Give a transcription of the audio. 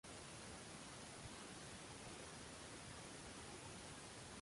— Biroq gap, harqalay, sonda bo‘lmasa kerak.